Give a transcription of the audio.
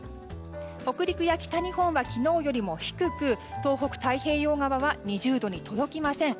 北陸や北日本は昨日よりも低く東北、太平洋側は２０度に届きません。